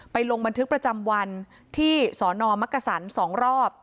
ไปลงบันทึกประจำวันที่สอนอมมักสรรค์สองรอบ